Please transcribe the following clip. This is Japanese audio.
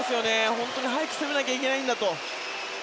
本当に速く攻めなきゃいけないんだと。